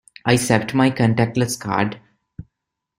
I zapped my contactless card.